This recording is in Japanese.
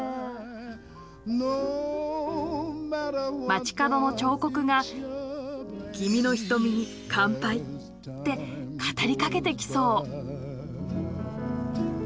街角の彫刻が「君の瞳に乾杯」って語りかけてきそう。